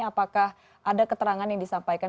apakah ada keterangan yang disampaikan